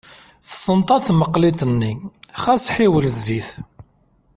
Tessenṭaḍ tmeqlit-nni, ɣas ḥiwel zzit.